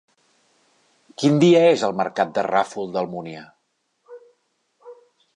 Quin dia és el mercat del Ràfol d'Almúnia?